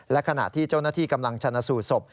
และขณะที่เจ้าหน้าที่กำลังชนะสูตรศพ